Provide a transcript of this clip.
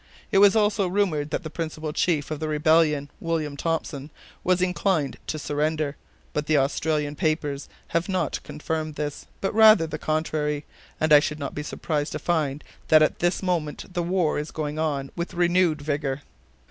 It was also rumored that the principal chief of the rebellion, William Thompson, was inclined to surrender, but the Australian papers have not confirmed this, but rather the contrary, and I should not be surprised to find that at this moment the war is going on with renewed vigor."